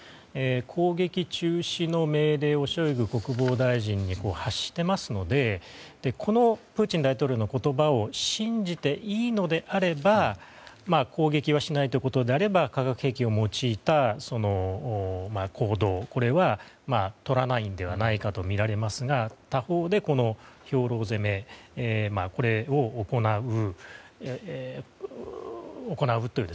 攻撃中止の命令をショイグ国防大臣に発していますのでこのプーチン大統領の言葉を信じていいのであれば攻撃はしないということであれば化学兵器を用いた行動これはとらないのではないかとみられますが他方で、兵糧攻めを行うという。